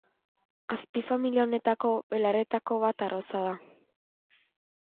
Azpifamilia honetako belarretako bat arroza da.